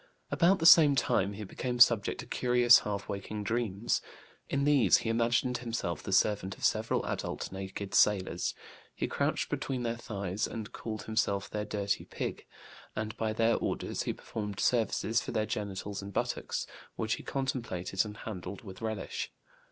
About the same time he became subject to curious half waking dreams. In these he imagined himself the servant of several adult naked sailors; he crouched between their thighs and called himself their dirty pig, and by their orders he performed services for their genitals and buttocks, which he contemplated and handled with relish.